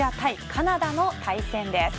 カナダの対戦です。